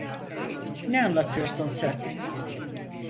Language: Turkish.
Ne anlatıyorsun sen?